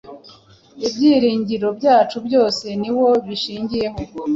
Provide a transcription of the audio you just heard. Ibyiringiro byacu byose niwo bishingiyeho.